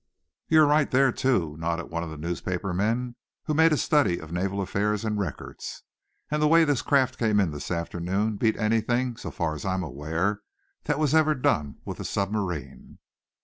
"You're right there, too," nodded one of the newspaper men, who made a study of naval affairs and records. "And the way this craft came in this afternoon beat anything, so far as I'm aware, that was ever done with a submarine."